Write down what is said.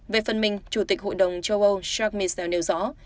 về phần mình chủ tịch hội đồng châu âu jacques michel nêu rõ